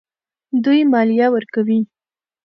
دوی مالیه ورکوي.